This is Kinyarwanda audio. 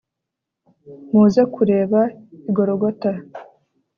muze kureba i gologota